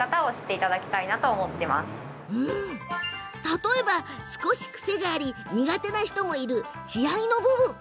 例えば、少し癖があり苦手な人もいる血合いの部分。